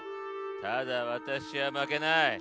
だがわたしはまけない。